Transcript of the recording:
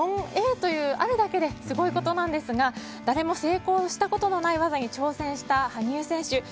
４Ａというそれだけですごいことなんですが誰も成功したことのない技に挑戦した羽生結弦選手。